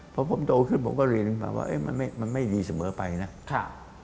พอผมโด่งขึ้นผมก็เรียนมาว่าเอ๊ะมันไม่ดีเสมอไปนะ